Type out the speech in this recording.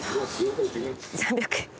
３００円。